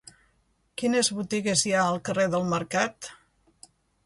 Quines botigues hi ha al carrer del Mercat?